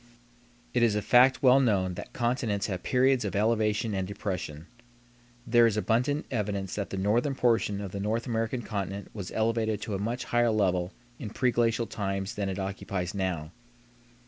It is a fact well known that continents have periods of elevation and depression. There is abundant evidence that the northern portion of the North American continent was elevated to a much higher level in preglacial times than it occupies now.